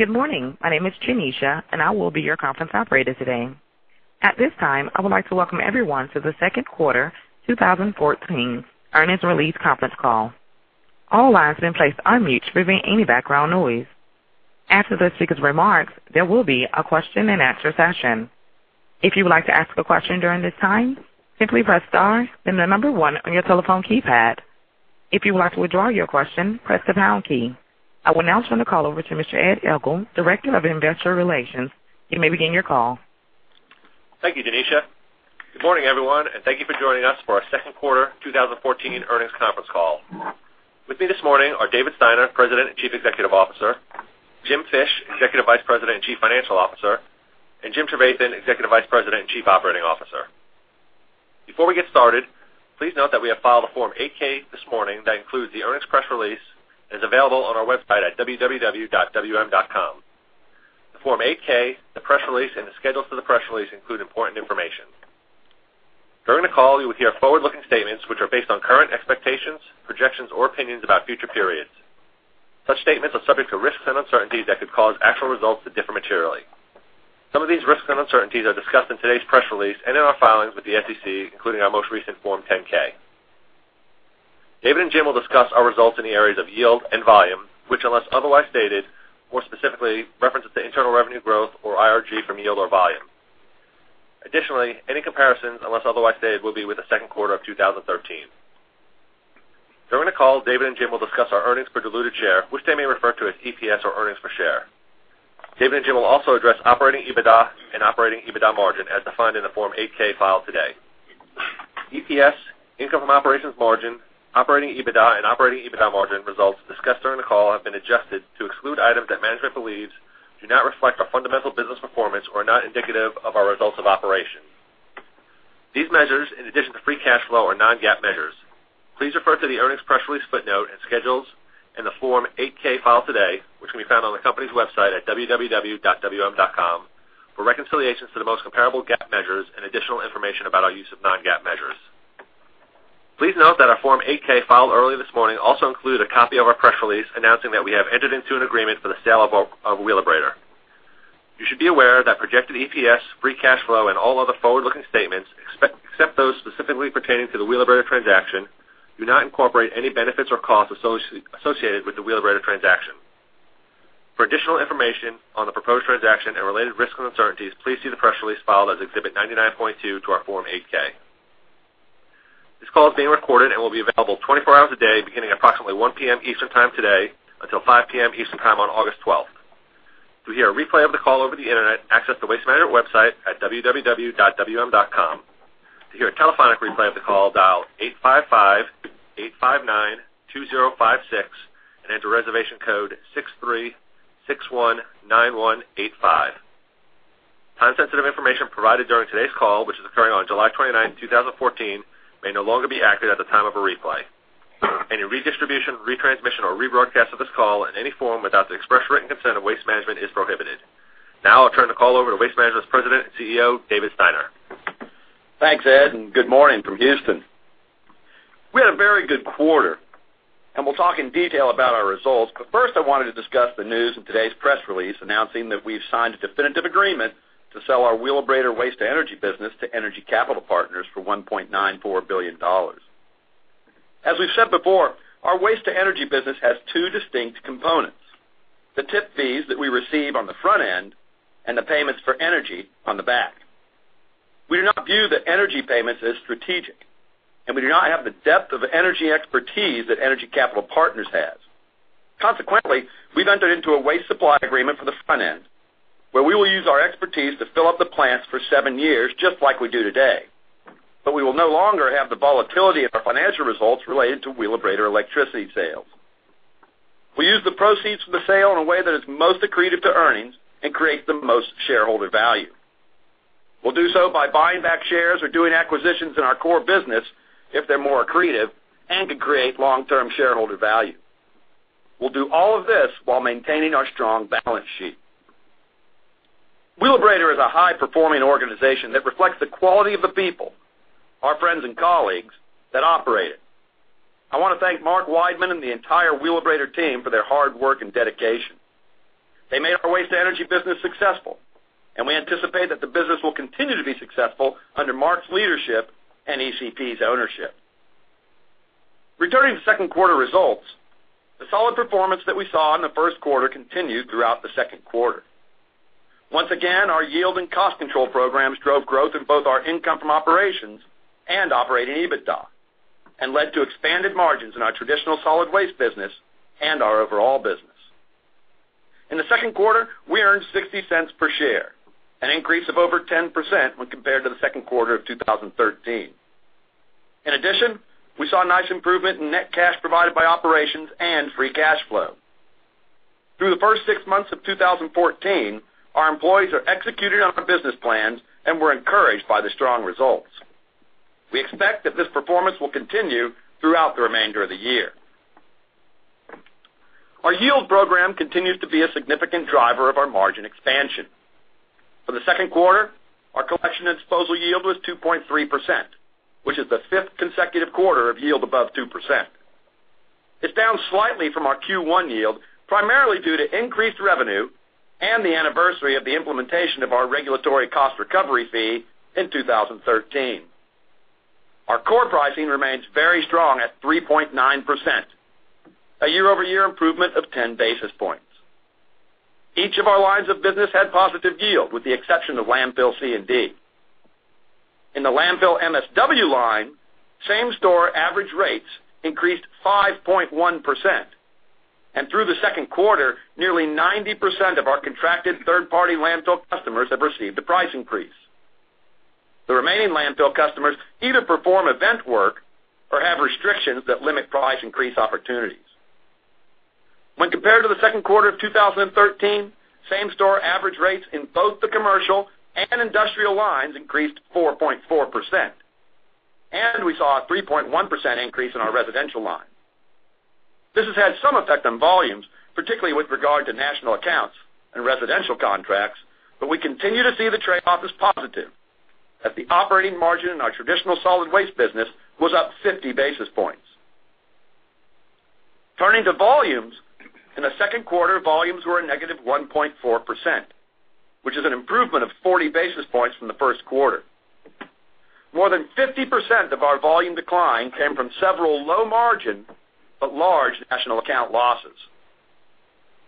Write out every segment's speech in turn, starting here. Good morning. My name is Janisha, and I will be your conference operator today. At this time, I would like to welcome everyone to the second quarter 2014 earnings release conference call. All lines have been placed on mute to prevent any background noise. After the speaker's remarks, there will be a question-and-answer session. If you would like to ask a question during this time, simply press star, then the number 1 on your telephone keypad. If you would like to withdraw your question, press the pound key. I will now turn the call over to Mr. Ed Egl, Director of Investor Relations. You may begin your call. Thank you, Janisha. Good morning, everyone, and thank you for joining us for our second quarter 2014 earnings conference call. With me this morning are David Steiner, President and Chief Executive Officer, Jim Fish, Executive Vice President and Chief Financial Officer, and Jim Trevathan, Executive Vice President and Chief Operating Officer. Before we get started, please note that we have filed a Form 8-K this morning that includes the earnings press release and is available on our website at www.wm.com. The Form 8-K, the press release, and the schedules for the press release include important information. During the call, you will hear forward-looking statements which are based on current expectations, projections, or opinions about future periods. Such statements are subject to risks and uncertainties that could cause actual results to differ materially. Some of these risks and uncertainties are discussed in today's press release and in our filings with the SEC, including our most recent Form 10-K. David and Jim will discuss our results in the areas of yield and volume, which, unless otherwise stated, more specifically references to internal revenue growth or IRG from yield or volume. Additionally, any comparisons, unless otherwise stated, will be with the second quarter of 2013. During the call, David and Jim will discuss our earnings per diluted share, which they may refer to as EPS or earnings per share. David and Jim will also address operating EBITDA and operating EBITDA margin as defined in the Form 8-K filed today. EPS, income from operations margin, operating EBITDA, and operating EBITDA margin results discussed during the call have been adjusted to exclude items that management believes do not reflect our fundamental business performance or are not indicative of our results of operation. These measures, in addition to free cash flow, are non-GAAP measures. Please refer to the earnings press release footnote and schedules and the Form 8-K filed today, which can be found on the company's website at www.wm.com for reconciliations to the most comparable GAAP measures and additional information about our use of non-GAAP measures. Please note that our Form 8-K filed earlier this morning also includes a copy of our press release announcing that we have entered into an agreement for the sale of Wheelabrator. You should be aware that projected EPS, free cash flow, and all other forward-looking statements, except those specifically pertaining to the Wheelabrator transaction, do not incorporate any benefits or costs associated with the Wheelabrator transaction. For additional information on the proposed transaction and related risks and uncertainties, please see the press release filed as Exhibit 99.2 to our Form 8-K. This call is being recorded and will be available 24 hours a day, beginning at approximately 1:00 P.M. Eastern Time today until 5:00 P.M. Eastern Time on August 12th. To hear a replay of the call over the internet, access the Waste Management website at www.wm.com. To hear a telephonic replay of the call, dial 855-859-2056 and enter reservation code 63619185. Time-sensitive information provided during today's call, which is occurring on July 29th, 2014, may no longer be accurate at the time of a replay. Any redistribution, retransmission, or rebroadcast of this call in any form without the express written consent of Waste Management is prohibited. I'll turn the call over to Waste Management's President and CEO, David Steiner. Thanks, Ed, and good morning from Houston. We had a very good quarter, and we'll talk in detail about our results, but first I wanted to discuss the news in today's press release announcing that we've signed a definitive agreement to sell our Wheelabrator Waste to Energy business to Energy Capital Partners for $1.94 billion. As we've said before, our Waste to Energy business has two distinct components, the tip fees that we receive on the front end and the payments for energy on the back. We do not view the energy payments as strategic, and we do not have the depth of energy expertise that Energy Capital Partners has. Consequently, we've entered into a waste supply agreement for the front end, where we will use our expertise to fill up the plants for seven years, just like we do today. We will no longer have the volatility of our financial results related to Wheelabrator electricity sales. We use the proceeds from the sale in a way that is most accretive to earnings and creates the most shareholder value. We'll do so by buying back shares or doing acquisitions in our core business if they're more accretive and can create long-term shareholder value. We'll do all of this while maintaining our strong balance sheet. Wheelabrator is a high-performing organization that reflects the quality of the people, our friends and colleagues, that operate it. I want to thank Mark Weidman and the entire Wheelabrator team for their hard work and dedication. They made our Waste to Energy business successful, and we anticipate that the business will continue to be successful under Mark's leadership and ECP's ownership. Returning to second quarter results, the solid performance that we saw in the first quarter continued throughout the second quarter. Once again, our yield and cost control programs drove growth in both our income from operations and operating EBITDA and led to expanded margins in our traditional solid waste business and our overall business. In the second quarter, we earned $0.60 per share, an increase of over 10% when compared to the second quarter of 2013. In addition, we saw a nice improvement in net cash provided by operations and free cash flow. Through the first six months of 2014, our employees are executing on our business plans, and we're encouraged by the strong results. We expect that this performance will continue throughout the remainder of the year. Our yield program continues to be a significant driver of our margin expansion. For the second quarter, our collection and disposal yield was 2.3%, which is the fifth consecutive quarter of yield above 2%. It's down slightly from our Q1 yield, primarily due to increased revenue and the anniversary of the implementation of our regulatory cost recovery fee in 2013. Our core pricing remains very strong at 3.9%, a year-over-year improvement of 10 basis points. Each of our lines of business had positive yield, with the exception of landfill C&D. In the landfill MSW line, same-store average rates increased 5.1%, and through the second quarter, nearly 90% of our contracted third-party landfill customers have received a price increase. The remaining landfill customers either perform event work or have restrictions that limit price increase opportunities. When compared to the second quarter of 2013, same-store average rates in both the commercial and industrial lines increased 4.4%. We saw a 3.1% increase in our residential line. This has had some effect on volumes, particularly with regard to national accounts and residential contracts, but we continue to see the trade-off as positive, as the operating margin in our traditional solid waste business was up 50 basis points. Turning to volumes. In the second quarter, volumes were a negative 1.4%, which is an improvement of 40 basis points from the first quarter. More than 50% of our volume decline came from several low margin, but large national account losses.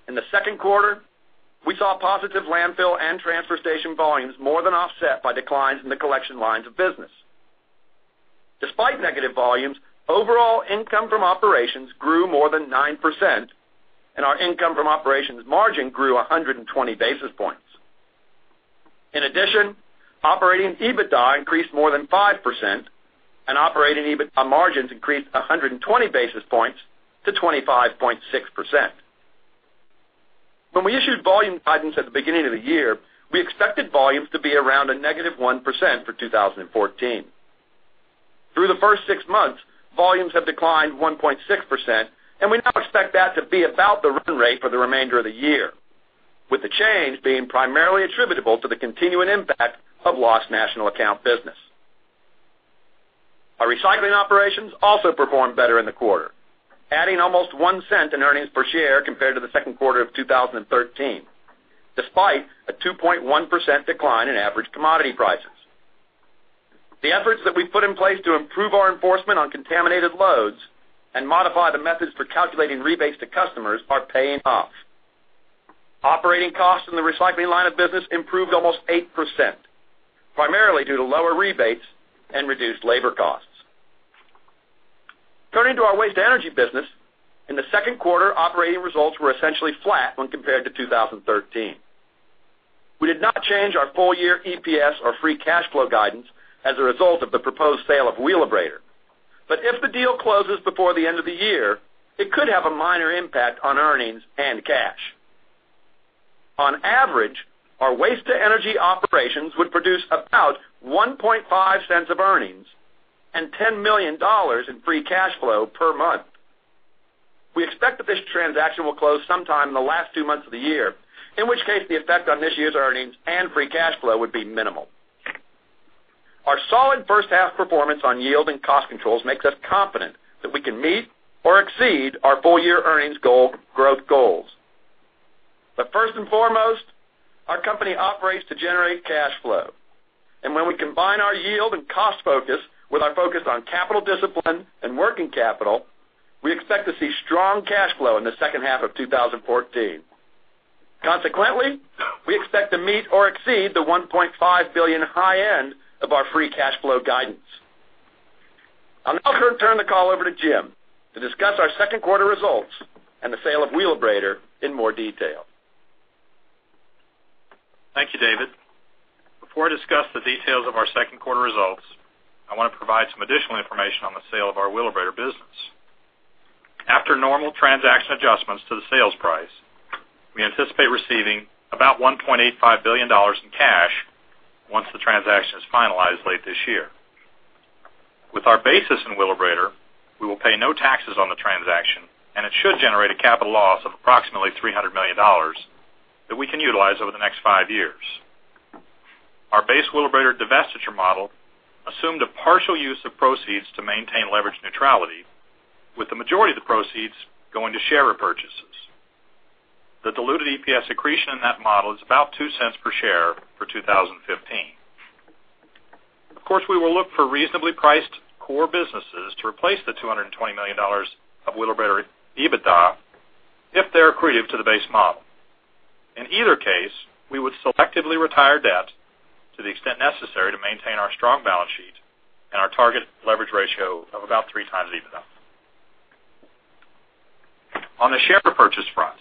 In the second quarter, we saw positive landfill and transfer station volumes more than offset by declines in the collection lines of business. Despite negative volumes, overall income from operations grew more than 9%, and our income from operations margin grew 120 basis points. In addition, operating EBITDA increased more than 5%, and operating EBITDA margins increased 120 basis points to 25.6%. When we issued volume guidance at the beginning of the year, we expected volumes to be around a negative 1% for 2014. Through the first six months, volumes have declined 1.6%, and we now expect that to be about the run rate for the remainder of the year, with the change being primarily attributable to the continuing impact of lost national account business. Our recycling operations also performed better in the quarter, adding almost $0.01 in earnings per share compared to the second quarter of 2013, despite a 2.1% decline in average commodity prices. The efforts that we've put in place to improve our enforcement on contaminated loads and modify the methods for calculating rebates to customers are paying off. Operating costs in the recycling line of business improved almost 8%, primarily due to lower rebates and reduced labor costs. Turning to our waste-to-energy business. In the second quarter, operating results were essentially flat when compared to 2013. We did not change our full year EPS or free cash flow guidance as a result of the proposed sale of Wheelabrator, but if the deal closes before the end of the year, it could have a minor impact on earnings and cash. On average, our waste-to-energy operations would produce about $0.015 of earnings and $10 million in free cash flow per month. We expect that this transaction will close sometime in the last two months of the year, in which case the effect on this year's earnings and free cash flow would be minimal. Our solid first half performance on yield and cost controls makes us confident that we can meet or exceed our full year earnings growth goals. First and foremost, our company operates to generate cash flow, and when we combine our yield and cost focus with our focus on capital discipline and working capital, we expect to see strong cash flow in the second half of 2014. Consequently, we expect to meet or exceed the $1.5 billion high end of our free cash flow guidance. I'll now turn the call over to Jim to discuss our second quarter results and the sale of Wheelabrator in more detail. Thank you, David. Before I discuss the details of our second quarter results, I want to provide some additional information on the sale of our Wheelabrator business. After normal transaction adjustments to the sales price, we anticipate receiving about $1.85 billion in cash once the transaction is finalized late this year. With our basis in Wheelabrator, we will pay no taxes on the transaction, and it should generate a capital loss of approximately $300 million that we can utilize over the next five years. Our base Wheelabrator divestiture model assumed a partial use of proceeds to maintain leverage neutrality, with the majority of the proceeds going to share repurchases. The diluted EPS accretion in that model is about $0.02 per share for 2015. Of course, we will look for reasonably priced core businesses to replace the $220 million of Wheelabrator EBITDA if they're accretive to the base model. In either case, we would selectively retire debt to the extent necessary to maintain our strong balance sheet and our target leverage ratio of about three times EBITDA. On the share repurchase front,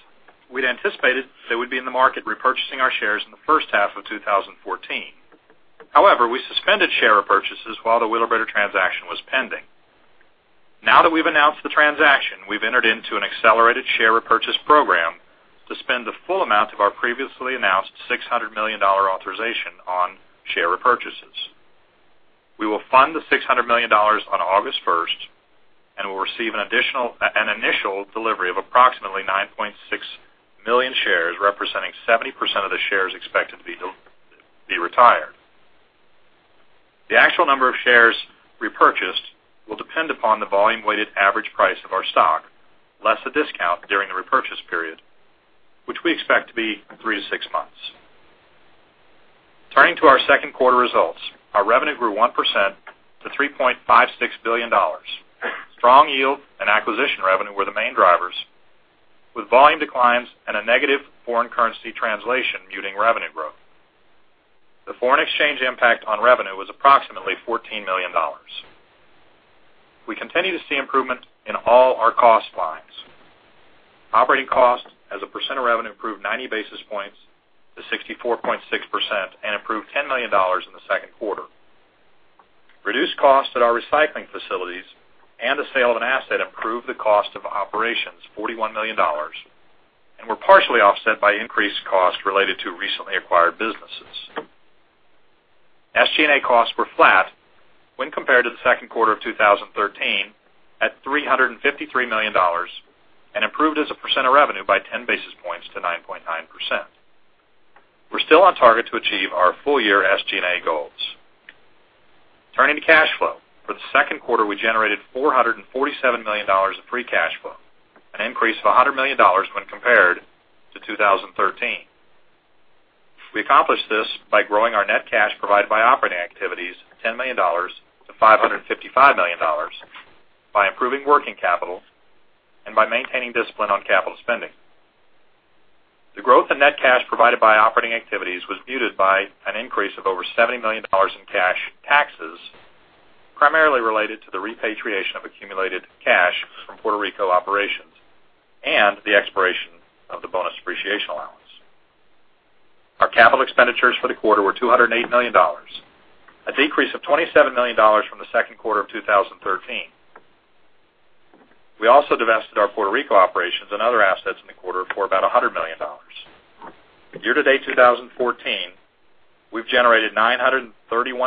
we'd anticipated that we'd be in the market repurchasing our shares in the first half of 2014. However, we suspended share repurchases while the Wheelabrator transaction was pending. Now that we've announced the transaction, we've entered into an accelerated share repurchase program to spend the full amount of our previously announced $600 million authorization on share repurchases. We'll fund the $600 million on August 1st and will receive an initial delivery of approximately 9.6 million shares, representing 70% of the shares expected to be retired. The actual number of shares repurchased will depend upon the volume-weighted average price of our stock, less a discount during the repurchase period, which we expect to be three to six months. Turning to our second quarter results. Our revenue grew 1% to $3.56 billion. Strong yield and acquisition revenue were the main drivers, with volume declines and a negative foreign currency translation muting revenue growth. The foreign exchange impact on revenue was approximately $14 million. We continue to see improvement in all our cost lines. Operating cost as a percent of revenue improved 90 basis points to 64.6% and improved $10 million in the second quarter. Reduced costs at our recycling facilities and the sale of an asset improved the cost of operations $41 million and were partially offset by increased costs related to recently acquired businesses. SG&A costs were flat when compared to the second quarter of 2013 at $353 million, and improved as a percent of revenue by 10 basis points to 9.9%. We're still on target to achieve our full year SG&A goals. Turning to cash flow. For the second quarter, we generated $447 million of free cash flow, an increase of $100 million when compared to 2013. We accomplished this by growing our net cash provided by operating activities $10 million to $555 million, by improving working capital, and by maintaining discipline on capital spending. The growth in net cash provided by operating activities was muted by an increase of over $70 million in cash taxes, primarily related to the repatriation of accumulated cash from Puerto Rico operations and the expiration of the bonus depreciation allowance. Our capital expenditures for the quarter were $208 million, a decrease of $27 million from the second quarter of 2013. We also divested our Puerto Rico operations and other assets in the quarter for about $100 million. Year-to-date 2014, we've generated $931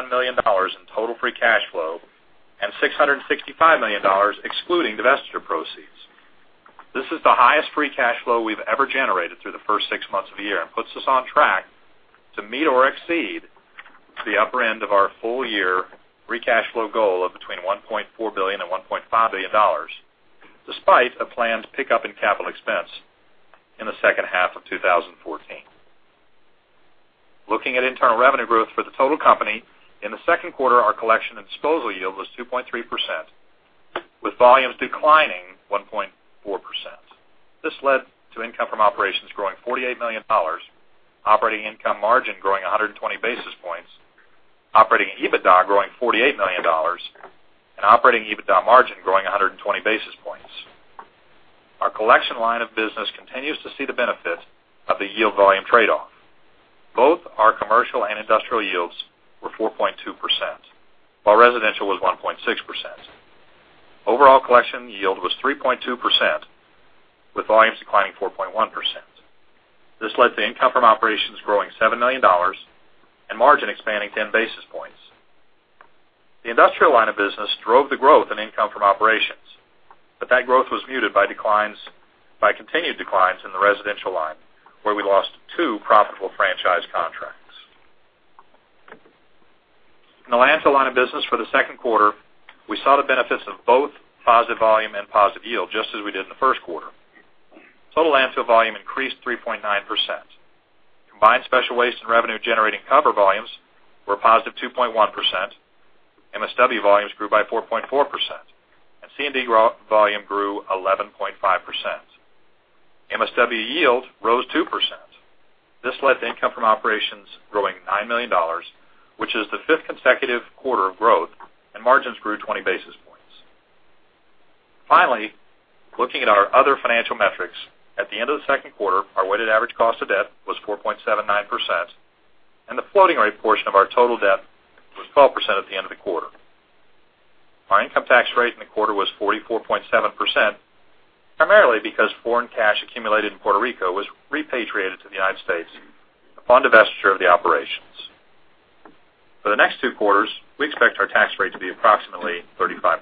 million in total free cash flow and $665 million excluding divestiture proceeds. This is the highest free cash flow we've ever generated through the first six months of the year and puts us on track to meet or exceed the upper end of our full-year free cash flow goal of between $1.4 billion and $1.5 billion, despite a planned pickup in capital expense in the second half of 2014. Looking at internal revenue growth for the total company, in the second quarter, our collection and disposal yield was 2.3%, with volumes declining 1.4%. This led to income from operations growing $48 million, operating income margin growing 120 basis points, operating EBITDA growing $48 million, and operating EBITDA margin growing 120 basis points. Our collection line of business continues to see the benefit of the yield volume trade-off. Both our commercial and industrial yields were 4.2%, while residential was 1.6%. Overall collection yield was 3.2%, with volumes declining 4.1%. This led to income from operations growing $7 million and margin expanding 10 basis points. The industrial line of business drove the growth in income from operations, but that growth was muted by continued declines in the residential line, where we lost two profitable franchise contracts. In the landfill line of business for the second quarter, we saw the benefits of both positive volume and positive yield, just as we did in the first quarter. Total landfill volume increased 3.9%. Combined special waste and revenue generating cover volumes were a positive 2.1%. MSW volumes grew by 4.4%, and C&D volume grew 11.5%. MSW yield rose 2%. This led to income from operations growing $9 million, which is the fifth consecutive quarter of growth, and margins grew 20 basis points. Finally, looking at our other financial metrics. At the end of the second quarter, our weighted average cost of debt was 4.79%, and the floating rate portion of our total debt was 12% at the end of the quarter. Our income tax rate in the quarter was 44.7%, primarily because foreign cash accumulated in Puerto Rico was repatriated to the United States upon divestiture of the operations. For the next two quarters, we expect our tax rate to be approximately 35%.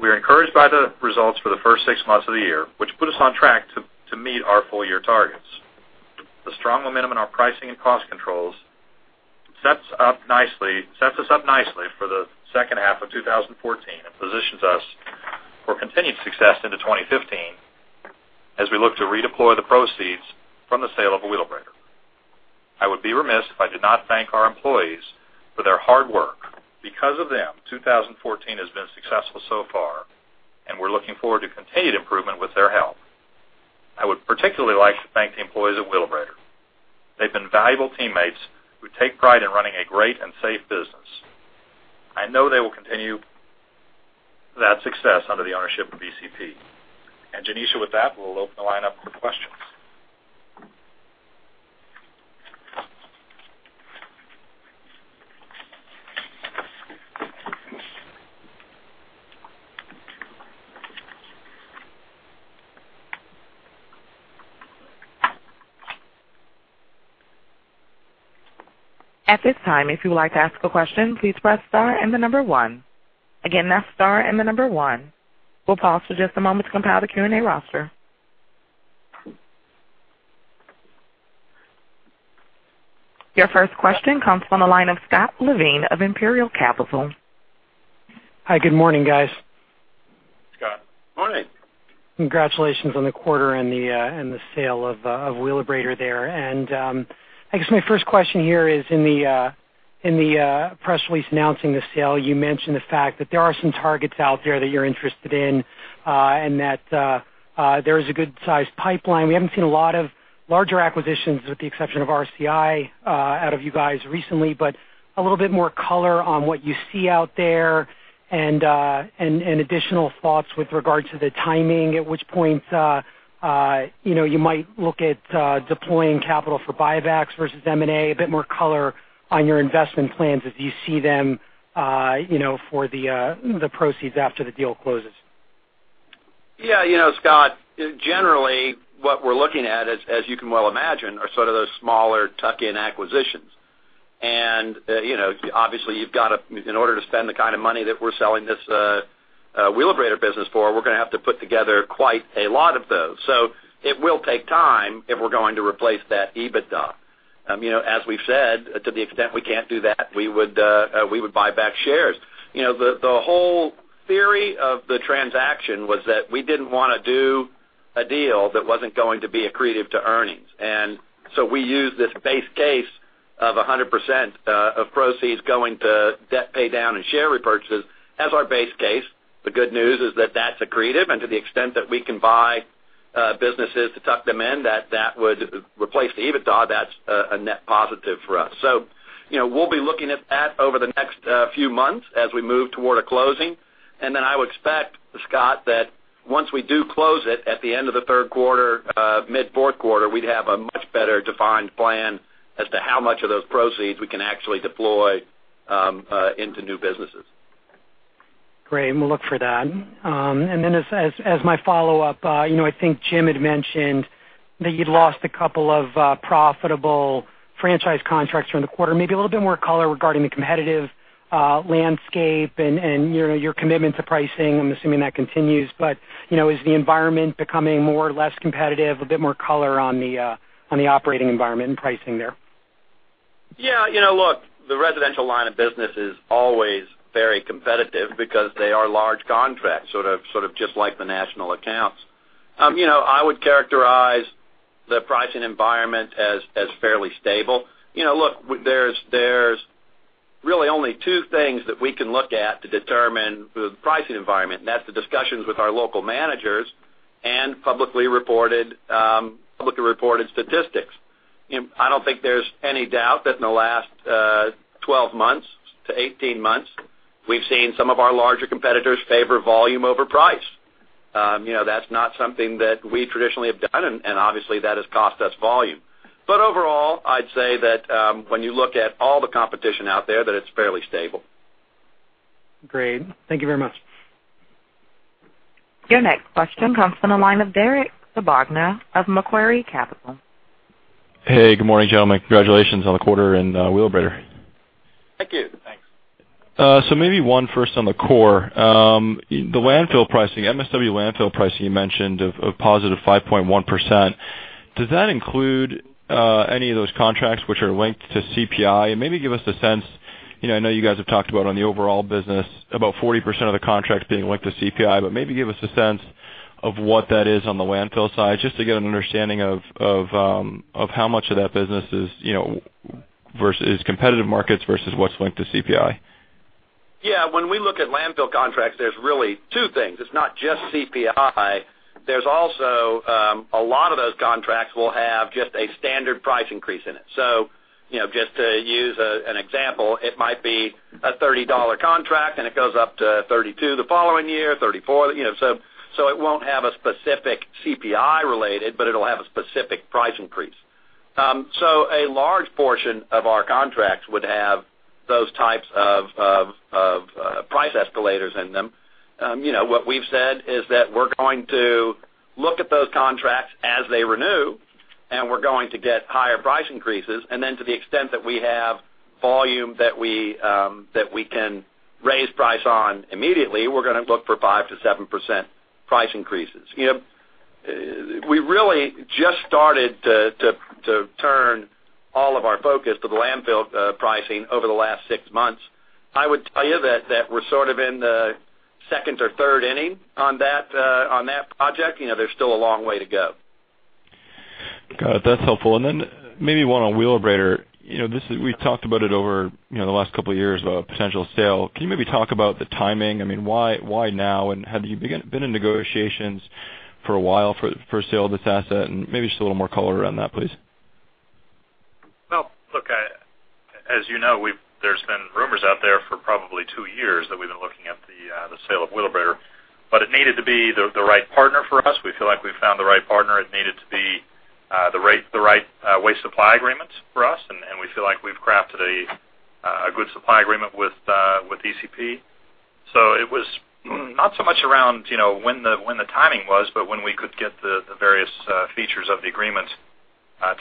We are encouraged by the results for the first six months of the year, which put us on track to meet our full-year targets. The strong momentum in our pricing and cost controls sets us up nicely for the second half of 2014 and positions us for continued success into 2015 as we look to redeploy the proceeds from the sale of Wheelabrator. I would be remiss if I did not thank our employees for their hard work. Because of them, 2014 has been successful so far, and we're looking forward to continued improvement with their help. I would particularly like to thank the employees at Wheelabrator. They've been valuable teammates who take pride in running a great and safe business. I know they will continue that success under the ownership of ECP. Janisha, with that, we'll open the line up for questions. At this time, if you would like to ask a question, please press star and the number one. Again, that's star and the number one. We'll pause for just a moment to compile the Q&A roster. Your first question comes from the line of Scott Levine of Imperial Capital. Hi, good morning, guys. Scott, morning. Congratulations on the quarter and the sale of Wheelabrator there. I guess my first question here is, in the press release announcing the sale, you mentioned the fact that there are some targets out there that you're interested in, and that there is a good-sized pipeline. We haven't seen a lot of larger acquisitions, with the exception of RCI, out of you guys recently, but a little bit more color on what you see out there and additional thoughts with regard to the timing, at which point you might look at deploying capital for buybacks versus M&A. A bit more color on your investment plans as you see them for the proceeds after the deal closes. Yeah. Scott, generally, what we're looking at, as you can well imagine, are sort of those smaller tuck-in acquisitions. Obviously, in order to spend the kind of money that we're selling this Wheelabrator business for, we're going to have to put together quite a lot of those. It will take time if we're going to replace that EBITDA. As we've said, to the extent we can't do that, we would buy back shares. The whole theory of the transaction was that we didn't want to do a deal that wasn't going to be accretive to earnings. We used this base case of 100% of proceeds going to debt paydown and share repurchases as our base case. The good news is that that's accretive. To the extent that we can buy businesses to tuck them in, that would replace the EBITDA, that's a net positive for us. We'll be looking at that over the next few months as we move toward a closing. I would expect, Scott, that once we do close it at the end of the third quarter, mid fourth quarter, we'd have a much better defined plan as to how much of those proceeds we can actually deploy into new businesses. Great. We'll look for that. As my follow-up, I think Jim had mentioned that you'd lost a couple of profitable franchise contracts during the quarter. Maybe a little bit more color regarding the competitive landscape and your commitment to pricing. I'm assuming that continues, but is the environment becoming more or less competitive? A bit more color on the operating environment and pricing there. Yeah. Look, the residential line of business is always very competitive because they are large contracts, sort of just like the national accounts. I would characterize the pricing environment as fairly stable. Look, there's really only two things that we can look at to determine the pricing environment, and that's the discussions with our local managers and publicly reported statistics. I don't think there's any doubt that in the last 12 months to 18 months, we've seen some of our larger competitors favor volume over price. That's not something that we traditionally have done, and obviously, that has cost us volume. Overall, I'd say that when you look at all the competition out there, that it's fairly stable. Great. Thank you very much. Your next question comes from the line of Derek Zabotna of Macquarie Capital. Hey, good morning, gentlemen. Congratulations on the quarter and Wheelabrator. Thank you. Thanks. Maybe one first on the core. The landfill pricing, MSW landfill pricing you mentioned of positive 5.1%, does that include any of those contracts which are linked to CPI? Maybe give us a sense, I know you guys have talked about on the overall business, about 40% of the contracts being linked to CPI, but maybe give us a sense of what that is on the landfill side, just to get an understanding of how much of that business is competitive markets versus what's linked to CPI. Yeah. When we look at landfill contracts, there's really two things. It's not just CPI. There's also, a lot of those contracts will have just a standard price increase in it. Just to use an example, it might be a $30 contract, and it goes up to $32 the following year, $34. It won't have a specific CPI related, but it'll have a specific price increase. A large portion of our contracts would have those types of price escalators in them. What we've said is that we're going to look at those contracts as they renew, and we're going to get higher price increases. Then to the extent that we have volume that we can raise price on immediately, we're going to look for 5%-7% price increases. We really just started to turn all of our focus to the landfill pricing over the last six months. I would tell you that we're sort of in the second or third inning on that project. There's still a long way to go. Got it. That's helpful. Then maybe one on Wheelabrator. We've talked about it over the last couple of years about a potential sale. Can you maybe talk about the timing? I mean, why now? Have you been in negotiations for a while for the sale of this asset? Maybe just a little more color around that, please. Look, as you know, there's been rumors out there for probably two years that we've been looking at the sale of Wheelabrator, it needed to be the right partner for us. We feel like we've found the right partner. It needed to be the right waste supply agreements for us, we feel like we've crafted a good supply agreement with ECP. It was not so much around when the timing was, but when we could get the various features of the agreement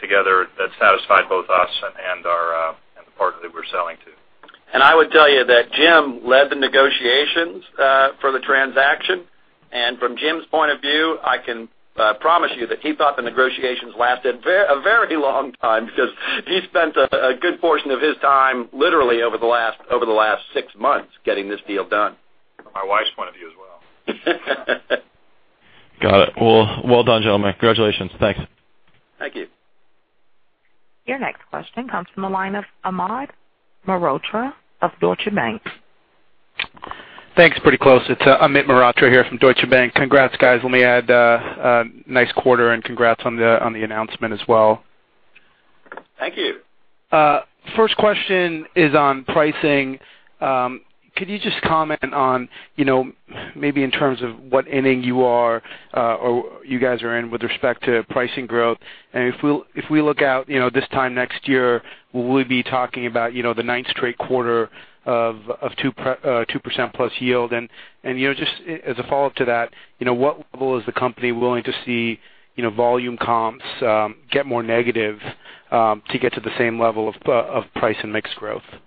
together that satisfied both us and the partner that we're selling to. I would tell you that Jim led the negotiations for the transaction. From Jim's point of view, I can promise you that he thought the negotiations lasted a very long time because he spent a good portion of his time, literally over the last six months, getting this deal done. From my wife's point of view as well. Got it. Well done, gentlemen. Congratulations. Thanks. Thank you. Your next question comes from the line of Amit Mehrotra of Deutsche Bank. Thanks. Pretty close. It's Amit Mehrotra here from Deutsche Bank. Congrats, guys, let me add. Nice quarter, and congrats on the announcement as well. Thank you. First question is on pricing. Could you just comment on maybe in terms of what inning you guys are in with respect to pricing growth? If we look out this time next year, we'll be talking about the ninth straight quarter of 2% plus yield. Just as a follow-up to that, what level is the company willing to see volume comps get more negative, to get to the same level of price and mixed growth? Yeah.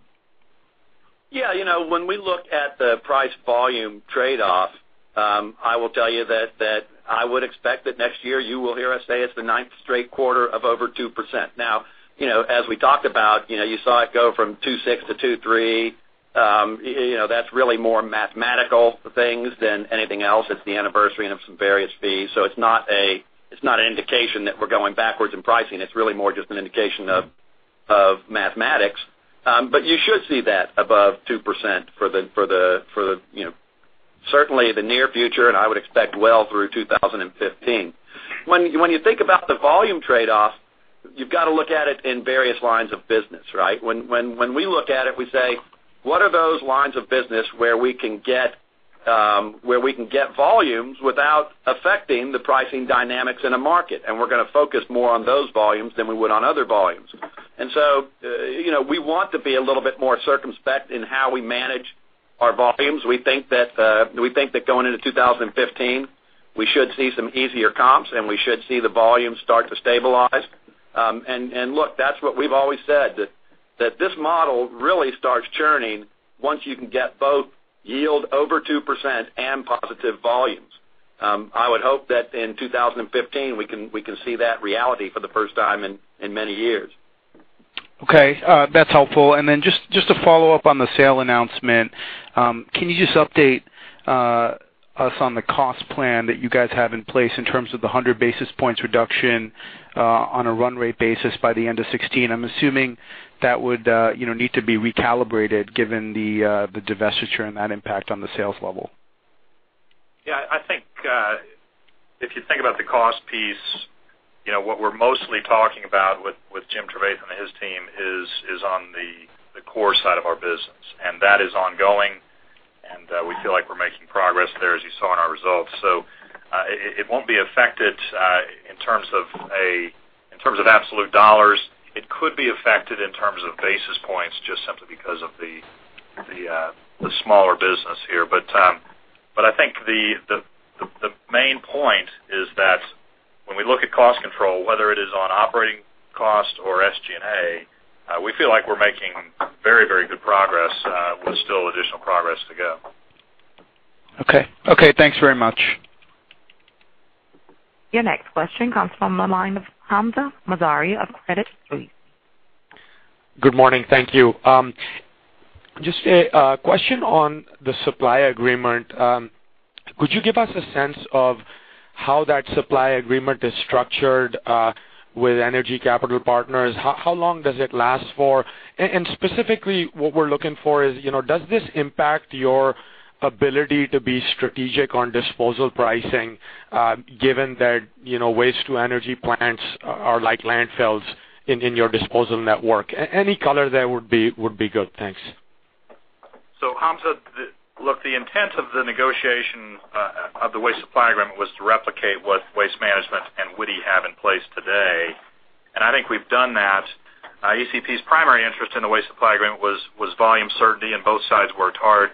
When we look at the price-volume trade-off, I will tell you that I would expect that next year, you will hear us say it's the ninth straight quarter of over 2%. Now, as we talked about, you saw it go from 2.6%-2.3%. That's really more mathematical things than anything else. It's the anniversary and of some various fees. It's not an indication that we're going backwards in pricing. It's really more just an indication of mathematics. You should see that above 2% for certainly the near future, and I would expect well through 2015. When you think about the volume trade-off, you've got to look at it in various lines of business, right? When we look at it, we say, what are those lines of business where we can get volumes without affecting the pricing dynamics in a market? We're going to focus more on those volumes than we would on other volumes. We want to be a little bit more circumspect in how we manage our volumes. We think that going into 2015, we should see some easier comps, and we should see the volumes start to stabilize. Look, that's what we've always said, that this model really starts churning once you can get both yield over 2% and positive volumes. I would hope that in 2015, we can see that reality for the first time in many years. Okay. That's helpful. Just to follow up on the sale announcement, can you just update us on the cost plan that you guys have in place in terms of the 100 basis points reduction on a run rate basis by the end of 2016? I'm assuming that would need to be recalibrated given the divestiture and that impact on the sales level. If you think about the cost piece, what we're mostly talking about with Jim Trevathan and his team is on the core side of our business. That is ongoing, and we feel like we're making progress there, as you saw in our results. So it won't be affected in terms of absolute dollars. It could be affected in terms of basis points, just simply because of the smaller business here. But I think the main point is that when we look at cost control, whether it is on operating cost or SG&A, we feel like we're making very good progress with still additional progress to go. Okay. Thanks very much. Your next question comes from the line of Hamzah Mazari of Credit Suisse. Good morning. Thank you. Just a question on the supply agreement. Could you give us a sense of how that supply agreement is structured with Energy Capital Partners? How long does it last for? Specifically, what we're looking for is, does this impact your ability to be strategic on disposal pricing, given that waste to energy plants are like landfills in your disposal network? Any color there would be good. Thanks. Hamzah, look, the intent of the negotiation of the waste supply agreement was to replicate what Waste Management and Wheelabrator have in place today. I think we've done that. ECP's primary interest in the waste supply agreement was volume certainty, both sides worked hard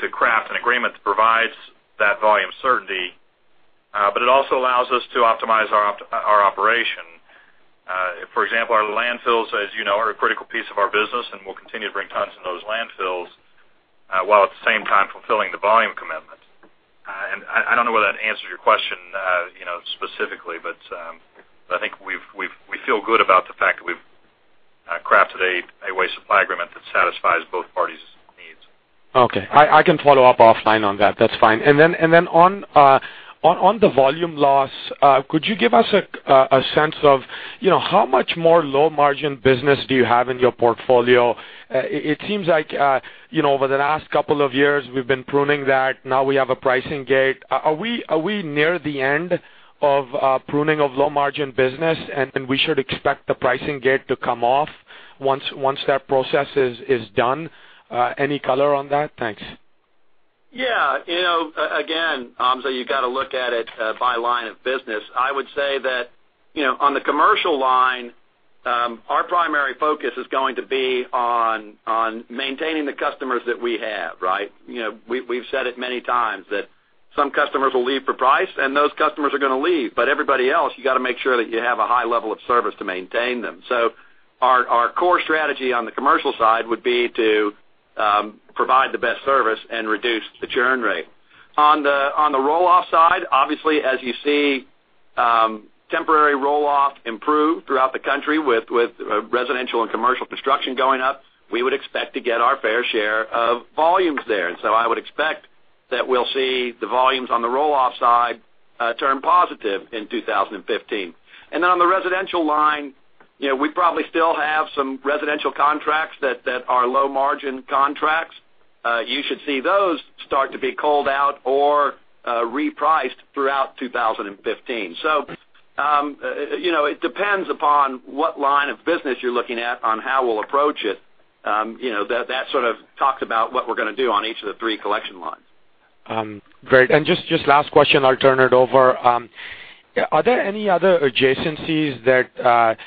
to craft an agreement that provides that volume certainty. It also allows us to optimize our operation. For example, our landfills, as you know, are a critical piece of our business, we'll continue to bring tons into those landfills, while at the same time fulfilling the volume commitment. I don't know whether that answers your question specifically, I think we feel good about the fact that we've crafted a waste supply agreement that satisfies both parties' needs. Okay. I can follow up offline on that. That's fine. Then on the volume loss, could you give us a sense of how much more low margin business do you have in your portfolio? It seems like over the last couple of years, we've been pruning that. Now we have a pricing gate. Are we near the end of pruning of low margin business, we should expect the pricing gate to come off once that process is done? Any color on that? Thanks. Yeah. Again, Hamzah, you got to look at it by line of business. I would say that on the commercial line our primary focus is going to be on maintaining the customers that we have. We've said it many times that some customers will leave for price, and those customers are going to leave. Everybody else, you got to make sure that you have a high level of service to maintain them. Our core strategy on the commercial side would be to provide the best service and reduce the churn rate. On the roll-off side, obviously, as you see temporary roll-off improve throughout the country with residential and commercial construction going up, we would expect to get our fair share of volumes there. I would expect that we'll see the volumes on the roll-off side turn positive in 2015. On the residential line, we probably still have some residential contracts that are low margin contracts. You should see those start to be called out or repriced throughout 2015. It depends upon what line of business you're looking at on how we'll approach it. That sort of talks about what we're going to do on each of the three collection lines. Great. Just last question, I'll turn it over. Are there any other adjacencies that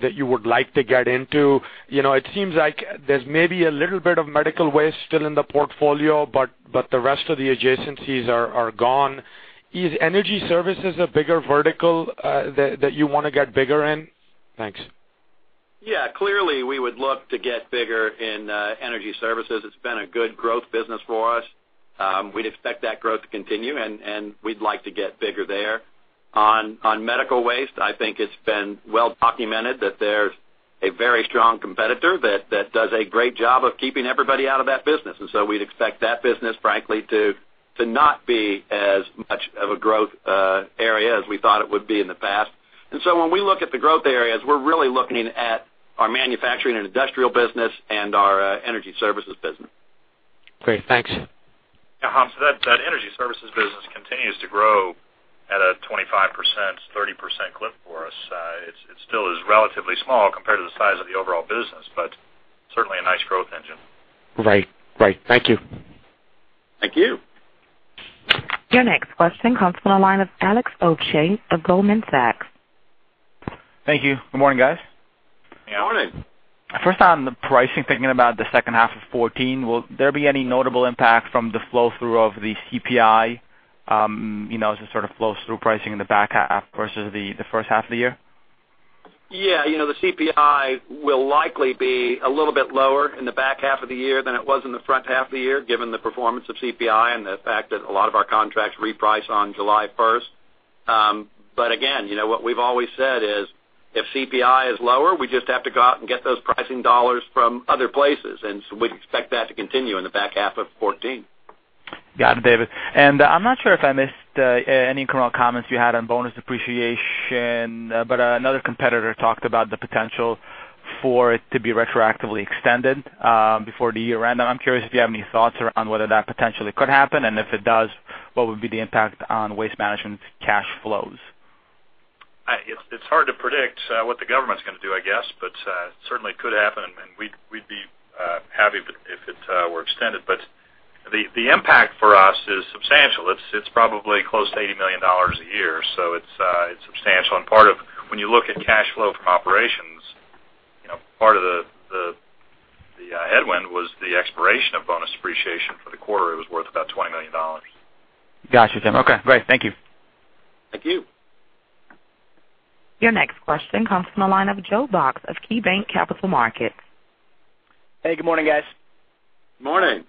you would like to get into? It seems like there's maybe a little bit of medical waste still in the portfolio, but the rest of the adjacencies are gone. Is energy services a bigger vertical that you want to get bigger in? Thanks. Yeah, clearly, we would look to get bigger in energy services. It's been a good growth business for us. We'd expect that growth to continue, and we'd like to get bigger there. On medical waste, I think it's been well documented that there's a very strong competitor that does a great job of keeping everybody out of that business. We'd expect that business, frankly, to not be as much of a growth area as we thought it would be in the past. When we look at the growth areas, we're really looking at our manufacturing and industrial business and our energy services business. Great. Thanks. That energy services business continues to grow at a 25%, 30% clip for us. It still is relatively small compared to the size of the overall business, but certainly a nice growth engine. Right. Thank you. Thank you. Your next question comes from the line of Alkesh Patel of Goldman Sachs. Thank you. Good morning, guys. Good morning. First on the pricing, thinking about the second half of 2014, will there be any notable impact from the flow-through of the CPI, as it sort of flows through pricing in the back half versus the first half of the year? Yeah. The CPI will likely be a little bit lower in the back half of the year than it was in the front half of the year, given the performance of CPI and the fact that a lot of our contracts reprice on July 1st. Again, what we've always said is, if CPI is lower, we just have to go out and get those pricing dollars from other places. We'd expect that to continue in the back half of 2014. Got it, David. I'm not sure if I missed any comments you had on bonus depreciation, but another competitor talked about the potential for it to be retroactively extended before the year end. I'm curious if you have any thoughts on whether that potentially could happen. If it does, what would be the impact on Waste Management's cash flows? It's hard to predict what the government's going to do, I guess, but certainly it could happen and we'd be happy if it were extended. The impact for us is substantial. It's probably close to $80 million a year, so it's substantial. When you look at cash flow from operations, part of the headwind was the expiration of bonus depreciation for the quarter. It was worth about $20 million. Got you, Jim. Okay, great. Thank you. Thank you. Your next question comes from the line of Joe Box of KeyBanc Capital Markets. Hey, good morning, guys. Morning.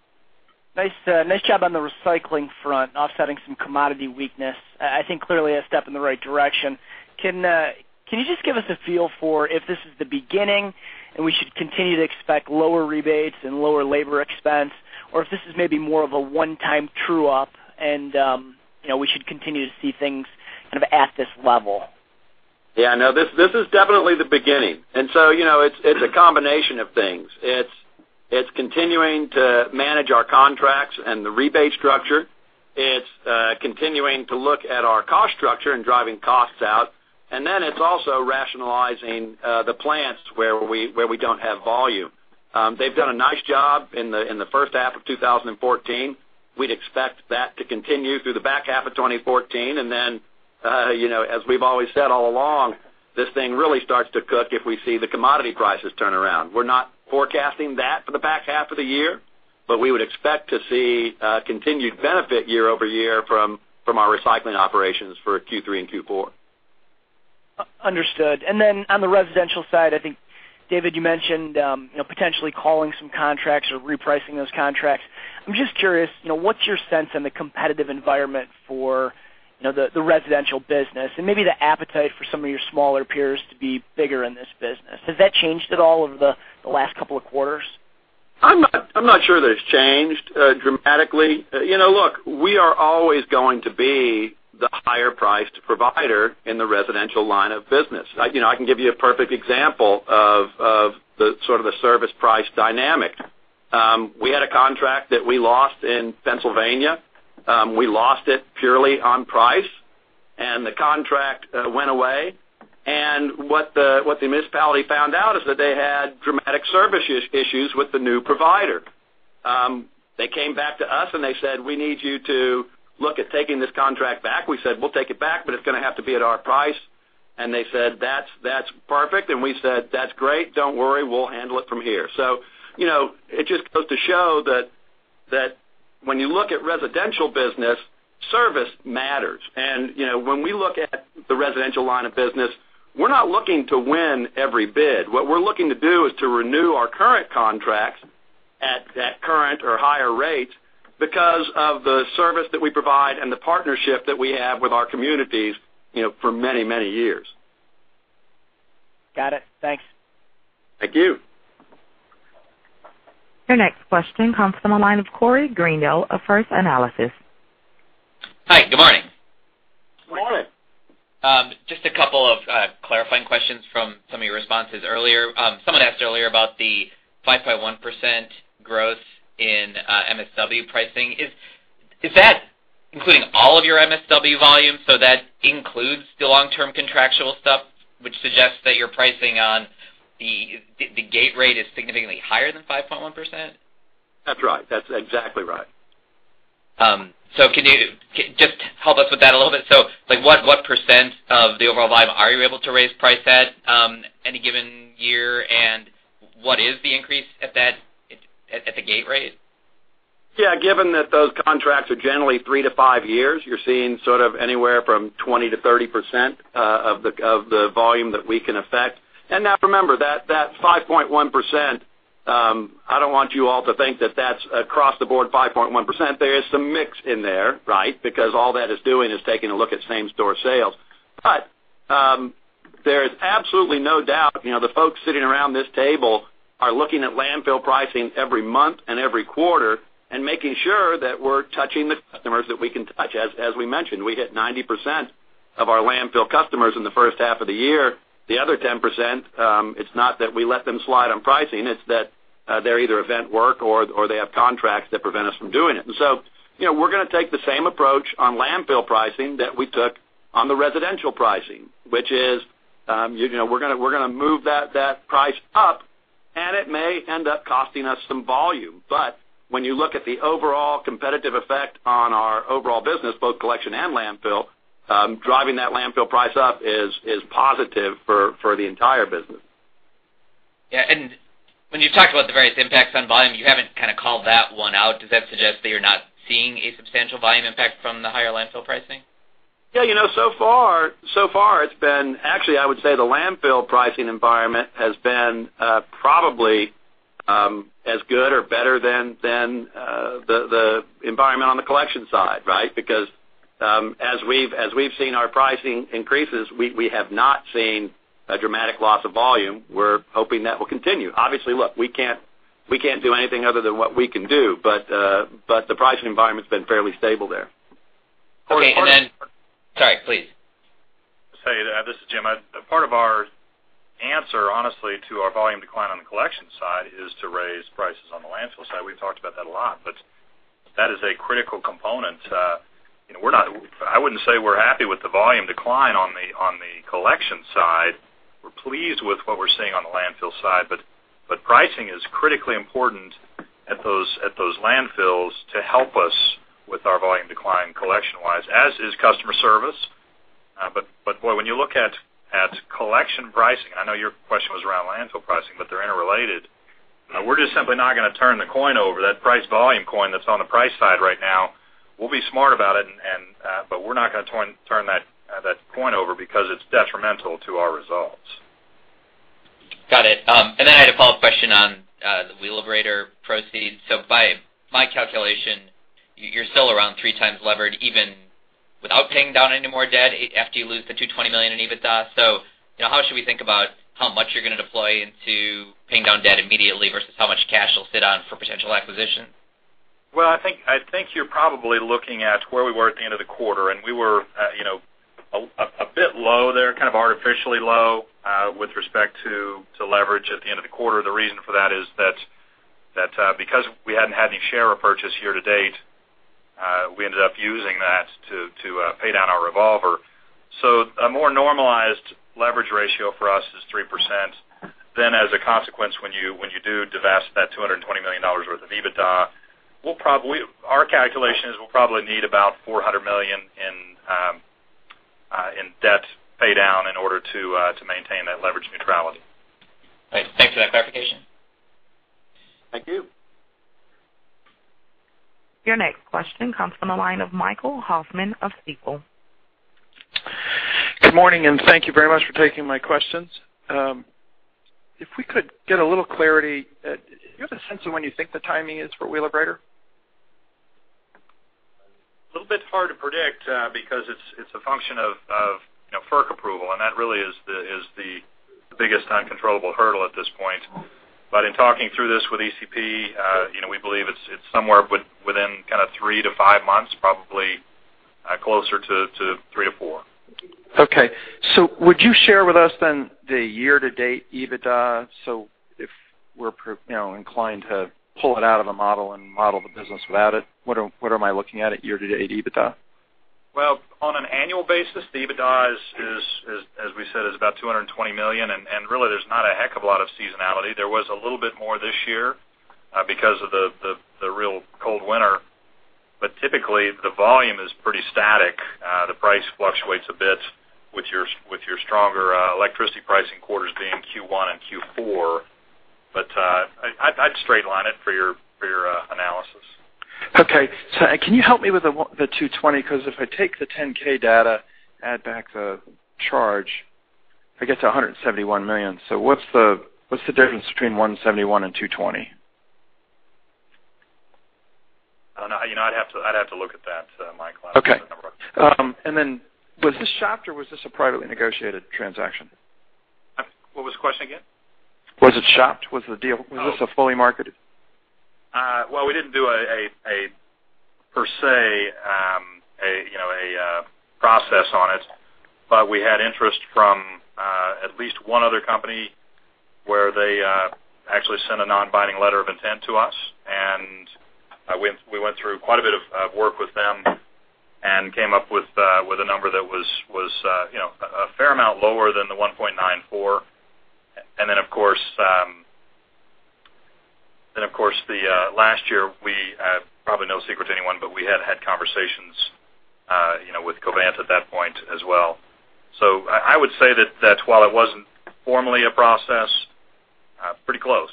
Nice job on the recycling front, offsetting some commodity weakness. I think clearly a step in the right direction. Can you just give us a feel for if this is the beginning and we should continue to expect lower rebates and lower labor expense, or if this is maybe more of a one-time true up and we should continue to see things kind of at this level? Yeah, no, this is definitely the beginning. It's a combination of things. It's continuing to manage our contracts and the rebate structure. It's continuing to look at our cost structure and driving costs out. It's also rationalizing the plants where we don't have volume. They've done a nice job in the first half of 2014. We'd expect that to continue through the back half of 2014. As we've always said all along, this thing really starts to cook if we see the commodity prices turn around. We're not forecasting that for the back half of the year, but we would expect to see continued benefit year-over-year from our recycling operations for Q3 and Q4. Understood. On the residential side, I think, David, you mentioned potentially calling some contracts or repricing those contracts. I'm just curious, what's your sense on the competitive environment for the residential business and maybe the appetite for some of your smaller peers to be bigger in this business. Has that changed at all over the last couple of quarters? I'm not sure that it's changed dramatically. Look, we are always going to be the higher priced provider in the residential line of business. I can give you a perfect example of the service price dynamic. We had a contract that we lost in Pennsylvania. We lost it purely on price, and the contract went away. What the municipality found out is that they had dramatic service issues with the new provider. They came back to us and they said, "We need you to look at taking this contract back." We said, "We'll take it back, but it's going to have to be at our price." They said, "That's perfect." We said, "That's great. Don't worry. We'll handle it from here." It just goes to show that when you look at residential business, service matters. When we look at the residential line of business, we're not looking to win every bid. What we're looking to do is to renew our current contracts at that current or higher rate because of the service that we provide and the partnership that we have with our communities for many years. Got it. Thanks. Thank you. Your next question comes from the line of Corey Greendale of First Analysis. Hi, good morning. Good morning. A couple of clarifying questions from some of your responses earlier. Someone asked earlier about the 5.1% growth in MSW pricing. Is that including all of your MSW volume, so that includes the long-term contractual stuff, which suggests that your pricing on the gate rate is significantly higher than 5.1%? That's right. That's exactly right. Can you just help us with that a little bit? What % of the overall volume are you able to raise price at any given year? And what is the increase at the gate rate? Given that those contracts are generally 3 to 5 years, you're seeing sort of anywhere from 20%-30% of the volume that we can affect. Now remember that 5.1%, I don't want you all to think that that's across the board 5.1%. There is some mix in there, right? Because all that is doing is taking a look at same-store sales. There is absolutely no doubt, the folks sitting around this table are looking at landfill pricing every month and every quarter and making sure that we're touching the customers that we can touch. As we mentioned, we hit 90% of our landfill customers in the first half of the year. The other 10%, it's not that we let them slide on pricing, it's that they're either event work or they have contracts that prevent us from doing it. We're going to take the same approach on landfill pricing that we took on the residential pricing, which is we're going to move that price up, and it may end up costing us some volume. When you look at the overall competitive effect on our overall business, both collection and landfill, driving that landfill price up is positive for the entire business. When you've talked about the various impacts on volume, you haven't kind of called that one out. Does that suggest that you're not seeing a substantial volume impact from the higher landfill pricing? Far it's been, actually, I would say the landfill pricing environment has been probably as good or better than the environment on the collection side, right? Because as we've seen our pricing increases, we have not seen a dramatic loss of volume. We're hoping that will continue. Obviously, look, we can't do anything other than what we can do. The pricing environment's been fairly stable there. Okay. Sorry, please. This is Jim. Part of our answer, honestly, to our volume decline on the collection side is to raise prices on the landfill side. We've talked about that a lot, that is a critical component. I wouldn't say we're happy with the volume decline on the collection side. We're pleased with what we're seeing on the landfill side, pricing is critically important at those landfills to help us with our volume decline collection-wise, as is customer service. Boy, when you look at collection pricing, I know your question was around landfill pricing, they're interrelated. We're just simply not going to turn the coin over, that price volume coin that's on the price side right now. We'll be smart about it, we're not going to turn that coin over because it's detrimental to our results. Got it. I had a follow-up question on the Wheelabrator proceeds. By my calculation, you're still around three times levered even without paying down any more debt after you lose the $220 million in EBITDA. How should we think about how much you're going to deploy into paying down debt immediately versus how much cash you'll sit on for potential acquisition? Well, I think you're probably looking at where we were at the end of the quarter, we were a bit low there, kind of artificially low, with respect to leverage at the end of the quarter. The reason for that is that because we hadn't had any share repurchase year to date, we ended up using that to pay down our revolver. A more normalized leverage ratio for us is 3%. As a consequence, when you do divest that $220 million worth of EBITDA, our calculation is we'll probably need about $400 million in debt pay down in order to maintain that leverage neutrality. Right. Thanks for that clarification. Thank you. Your next question comes from the line of Michael Hoffman of Stifel. Good morning. Thank you very much for taking my questions. If we could get a little clarity, do you have a sense of when you think the timing is for Wheelabrator? A little bit hard to predict because it's a function of FERC approval, and that really is the biggest uncontrollable hurdle at this point. In talking through this with ECP, we believe it's somewhere within kind of 3-5 months, probably closer to 3-4. Okay. Would you share with us the year-to-date EBITDA? If we're inclined to pull it out of the model and model the business without it, what am I looking at year-to-date EBITDA? Well, on an annual basis, the EBITDA, as we said, is about $220 million. Really, there's not a heck of a lot of seasonality. There was a little bit more this year because of the real cold winter, but typically, the volume is pretty static. The price fluctuates a bit with your stronger electricity pricing quarters being Q1 and Q4. I'd straight line it for your analysis. Okay. Can you help me with the $220? If I take the 10-K data, add back the charge, I get to $171 million. What's the difference between $171 and $220? I don't know. I'd have to look at that, Mike. Okay. That's a number. Then was this shopped or was this a privately negotiated transaction? What was the question again? Was it shopped? Was this a fully marketed? Well, we didn't do, per se, a process on it, but we had interest from at least one other company where they actually sent a non-binding letter of intent to us. We went through quite a bit of work with them and came up with a number that was a fair amount lower than the $1.94. Of course, last year, probably no secret to anyone, but we had had conversations with Covanta at that point as well. I would say that while it wasn't formally a process, pretty close.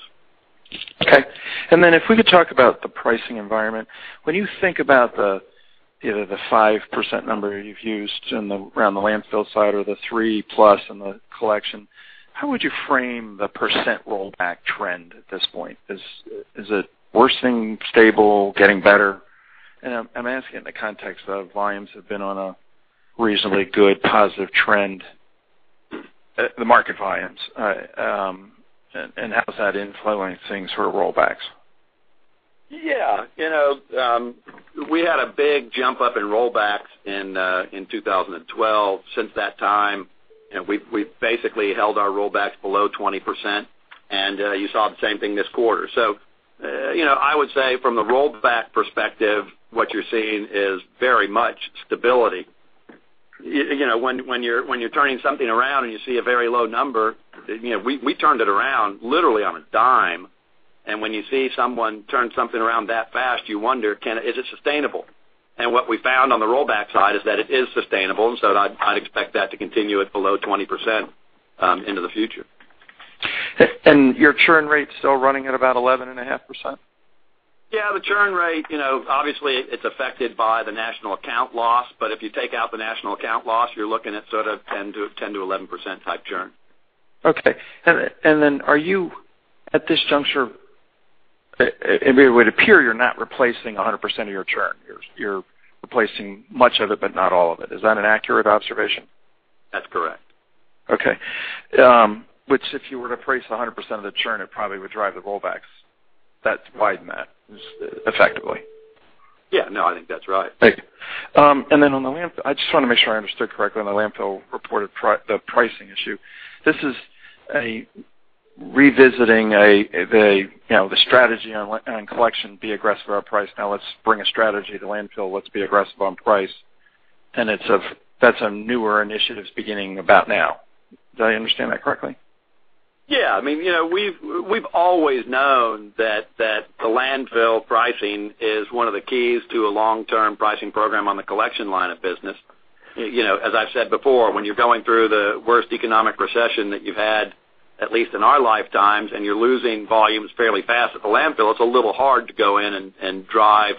Okay. If we could talk about the pricing environment. When you think about the 5% number you've used around the landfill side or the three-plus in the collection, how would you frame the % rollback trend at this point? Is it worsening, stable, getting better? I'm asking in the context of volumes have been on a reasonably good positive trend, the market volumes, and how is that influencing sort of rollbacks? Yeah. We had a big jump up in rollbacks in 2012. Since that time, we've basically held our rollbacks below 20%, and you saw the same thing this quarter. I would say from the rollback perspective, what you're seeing is very much stability. When you're turning something around and you see a very low number, we turned it around literally on a dime. When you see someone turn something around that fast, you wonder, is it sustainable? What we found on the rollback side is that it is sustainable. I'd expect that to continue at below 20% into the future. Your churn rate's still running at about 11.5%? Yeah, the churn rate, obviously it's affected by the national account loss, but if you take out the national account loss, you're looking at sort of 10% to 11%-type churn. Okay. Are you at this juncture, it would appear you're not replacing 100% of your churn. You're replacing much of it, but not all of it. Is that an accurate observation? That's correct. Okay. Which, if you were to price 100% of the churn, it probably would drive the rollbacks. That's widening that effectively. Yeah, no, I think that's right. Thank you. I just want to make sure I understood correctly on the landfill reported the pricing issue. This is a revisiting of the strategy on collection, be aggressive on price. Let's bring a strategy to landfill. Let's be aggressive on price. That's a newer initiative beginning about now. Did I understand that correctly? Yeah. We've always known that the landfill pricing is one of the keys to a long-term pricing program on the collection line of business. As I've said before, when you're going through the worst economic recession that you've had, at least in our lifetimes, and you're losing volumes fairly fast at the landfill, it's a little hard to go in and drive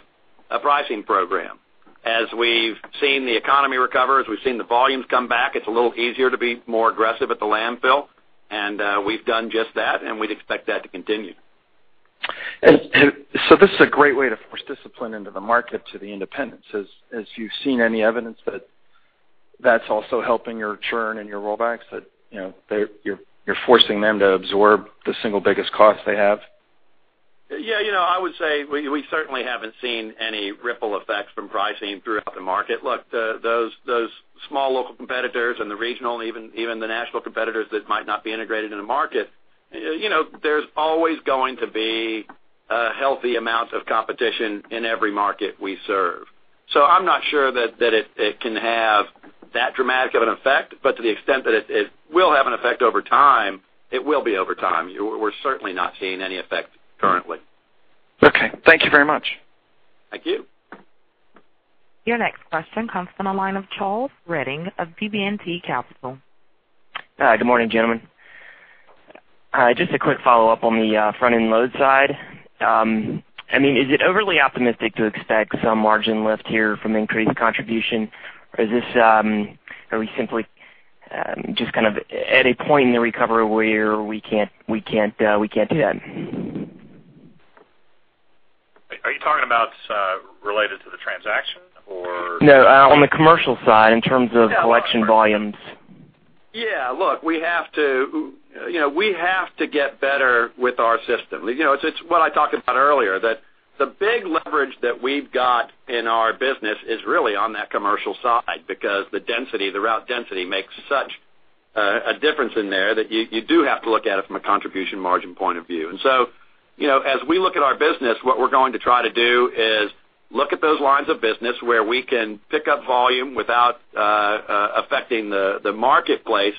a pricing program. As we've seen the economy recover, as we've seen the volumes come back, it's a little easier to be more aggressive at the landfill, and we've done just that, and we'd expect that to continue. This is a great way to force discipline into the market to the independents. As you've seen any evidence that that's also helping your churn and your rollbacks, that you're forcing them to absorb the single biggest cost they have? Yeah. I would say we certainly haven't seen any ripple effects from pricing throughout the market. Look, those small local competitors and the regional, even the national competitors that might not be integrated in the market, there's always going to be a healthy amount of competition in every market we serve. I'm not sure that it can have that dramatic of an effect, but to the extent that it will have an effect over time, it will be over time. We're certainly not seeing any effect currently. Okay. Thank you very much. Thank you. Your next question comes from the line of Charles Redding of BB&T Capital. Hi, good morning, gentlemen. Just a quick follow-up on the front-end load side. Is it overly optimistic to expect some margin lift here from increased contribution, or are we simply just at a point in the recovery where we can't do that? Are you talking about related to the transaction or? No, on the commercial side in terms of collection volumes. Yeah, look, we have to get better with our system. It's what I talked about earlier, that the big leverage that we've got in our business is really on that commercial side because the route density makes such A difference in there that you do have to look at it from a contribution margin point of view. As we look at our business, what we're going to try to do is look at those lines of business where we can pick up volume without affecting the marketplace.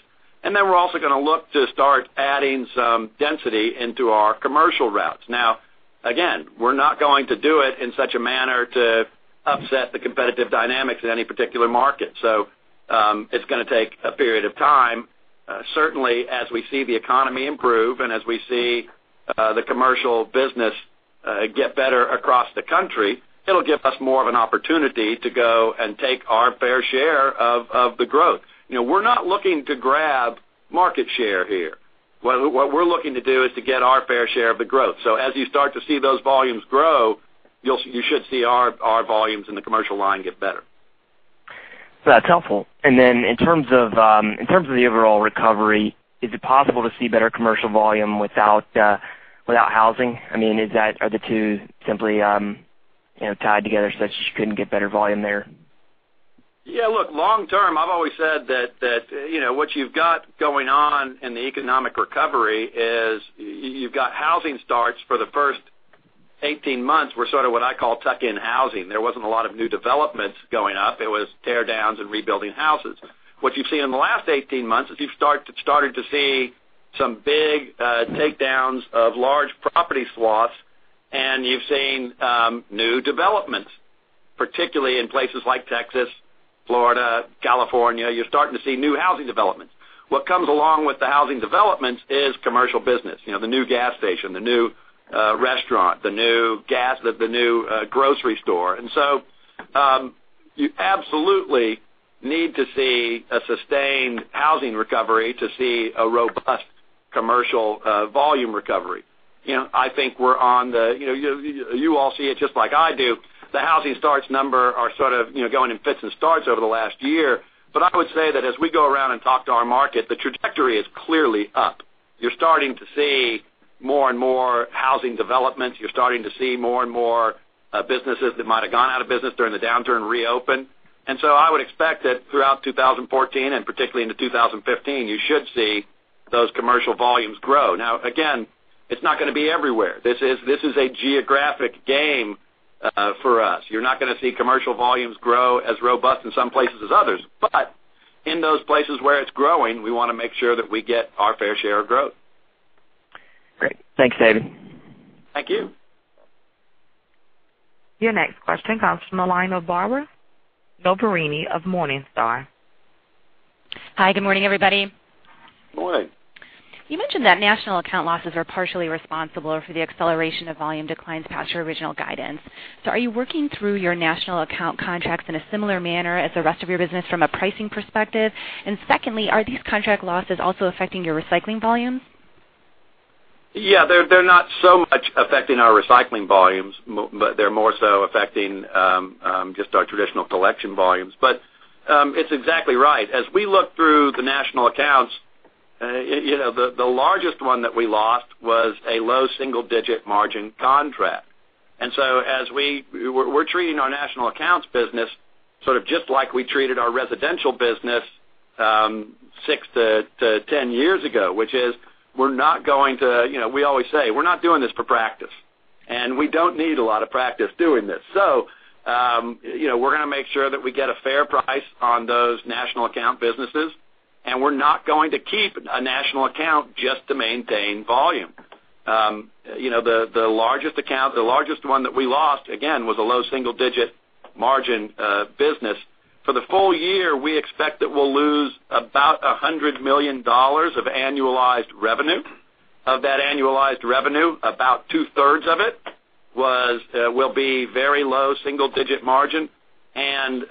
We're also going to look to start adding some density into our commercial routes. Again, we're not going to do it in such a manner to upset the competitive dynamics in any particular market. It's going to take a period of time. Certainly, as we see the economy improve and as we see the commercial business get better across the country, it'll give us more of an opportunity to go and take our fair share of the growth. We're not looking to grab market share here. What we're looking to do is to get our fair share of the growth. As you start to see those volumes grow, you should see our volumes in the commercial line get better. That's helpful. In terms of the overall recovery, is it possible to see better commercial volume without housing? Are the two simply tied together such that you couldn't get better volume there? Yeah, look, long term, I've always said that what you've got going on in the economic recovery is you've got housing starts for the first 18 months were sort of what I call tuck-in housing. There wasn't a lot of new developments going up. It was tear downs and rebuilding houses. What you've seen in the last 18 months is you've started to see some big takedowns of large property swaths, and you've seen new developments, particularly in places like Texas, Florida, California. You're starting to see new housing developments. What comes along with the housing developments is commercial business. The new gas station, the new restaurant, the new grocery store. You absolutely need to see a sustained housing recovery to see a robust commercial volume recovery. You all see it just like I do. The housing starts number are sort of going in fits and starts over the last year. I would say that as we go around and talk to our market, the trajectory is clearly up. You're starting to see more and more housing developments. You're starting to see more and more businesses that might have gone out of business during the downturn reopen. I would expect that throughout 2014, and particularly into 2015, you should see those commercial volumes grow. Now, again, it's not going to be everywhere. This is a geographic game for us. You're not going to see commercial volumes grow as robust in some places as others. In those places where it's growing, we want to make sure that we get our fair share of growth. Great. Thanks, David. Thank you. Your next question comes from the line of Barbara Noverini of Morningstar. Hi, good morning, everybody. Morning. You mentioned that national account losses are partially responsible for the acceleration of volume declines past your original guidance. Are you working through your national account contracts in a similar manner as the rest of your business from a pricing perspective? Secondly, are these contract losses also affecting your recycling volumes? Yeah, they're not so much affecting our recycling volumes. They're more so affecting just our traditional collection volumes. It's exactly right. As we look through the national accounts, the largest one that we lost was a low single-digit margin contract. We're treating our national accounts business sort of just like we treated our residential business 6 to 10 years ago, which is We always say we're not doing this for practice, and we don't need a lot of practice doing this. We're going to make sure that we get a fair price on those national account businesses, and we're not going to keep a national account just to maintain volume. The largest one that we lost, again, was a low single-digit margin business. For the full year, we expect that we'll lose about $100 million of annualized revenue. Of that annualized revenue, about two-thirds of it will be very low single-digit margin, and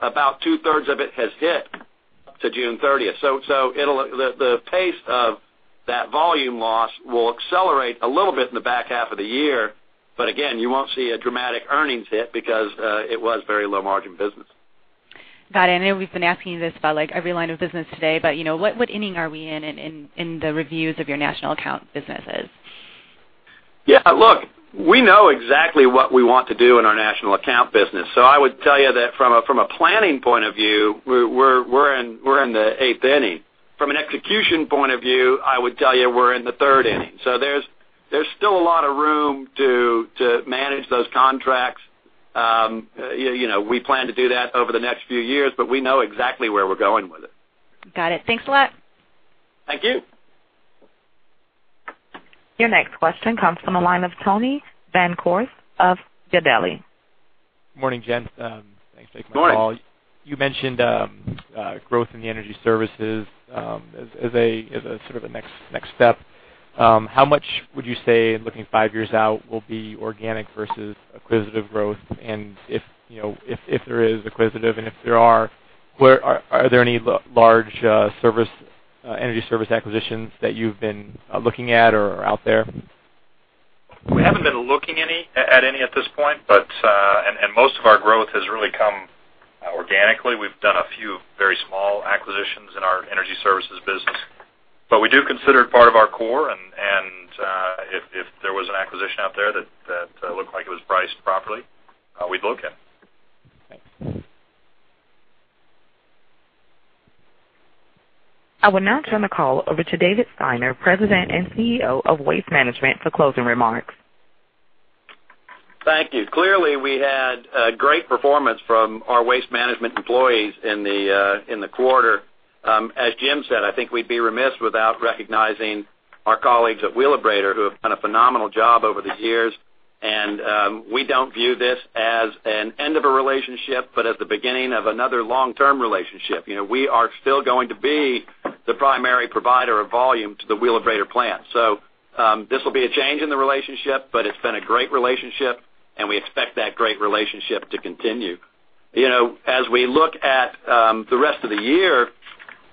about two-thirds of it has hit to June 30th. The pace of that volume loss will accelerate a little bit in the back half of the year. Again, you won't see a dramatic earnings hit because it was very low margin business. Got it. I know we've been asking you this about every line of business today, what inning are we in in the reviews of your national account businesses? Yeah, look, we know exactly what we want to do in our national account business. I would tell you that from a planning point of view, we're in the eighth inning. From an execution point of view, I would tell you we're in the third inning. There's still a lot of room to manage those contracts. We plan to do that over the next few years, we know exactly where we're going with it. Got it. Thanks a lot. Thank you. Your next question comes from the line of Tony Bancroft of Gabelli. Morning, gents. Thanks, Dave, for the call. Morning. You mentioned growth in the energy services as a sort of a next step. How much would you say, looking five years out, will be organic versus acquisitive growth? If there is acquisitive and if there are there any large energy service acquisitions that you've been looking at or are out there? We haven't been looking at any at this point. Most of our growth has really come organically. We've done a few very small acquisitions in our energy services business. Consider it part of our core. If there was an acquisition out there that looked like it was priced properly, we'd look at it. Thanks. I will now turn the call over to David Steiner, President and Chief Executive Officer of Waste Management, for closing remarks. Thank you. Clearly, we had a great performance from our Waste Management employees in the quarter. As Jim said, I think we'd be remiss without recognizing our colleagues at Wheelabrator, who have done a phenomenal job over the years. We don't view this as an end of a relationship, but as the beginning of another long-term relationship. We are still going to be the primary provider of volume to the Wheelabrator plant. This will be a change in the relationship, but it's been a great relationship, and we expect that great relationship to continue. As we look at the rest of the year,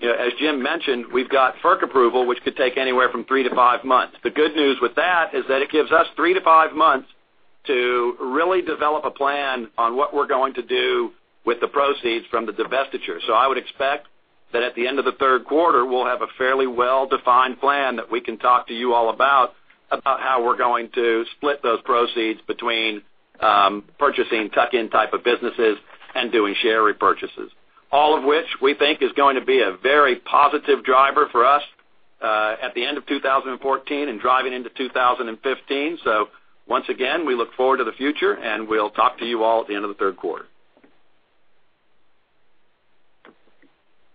as Jim mentioned, we've got FERC approval, which could take anywhere from three to five months. The good news with that is that it gives us three to five months to really develop a plan on what we're going to do with the proceeds from the divestiture. I would expect that at the end of the third quarter, we'll have a fairly well-defined plan that we can talk to you all about how we're going to split those proceeds between purchasing tuck-in type of businesses and doing share repurchases. All of which we think is going to be a very positive driver for us, at the end of 2014 and driving into 2015. Once again, we look forward to the future, and we'll talk to you all at the end of the third quarter.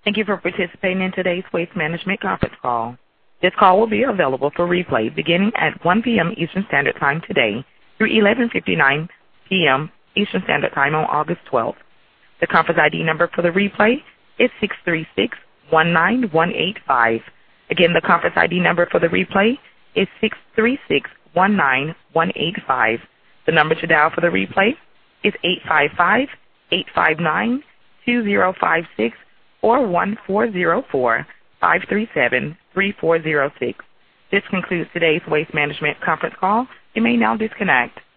Thank you for participating in today's Waste Management conference call. This call will be available for replay beginning at 1:00 P.M. Eastern Standard Time today through 11:59 P.M. Eastern Standard Time on August 12th. The conference ID number for the replay is 63619185. The conference ID number for the replay is 63619185. The number to dial for the replay is 8558592056 or 1-404537-3406. This concludes today's Waste Management conference call. You may now disconnect.